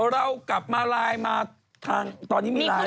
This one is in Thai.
เรากลับมารายมาทางตอนนี้มีราย